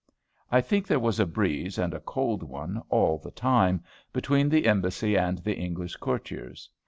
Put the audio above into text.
I think there was a breeze, and a cold one, all the time, between the embassy and the English courtiers.